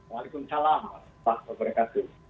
waalaikumsalam pak pemerkasih